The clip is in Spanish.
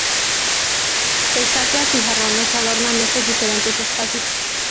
Estatuas y jarrones adornan estos diferentes espacios.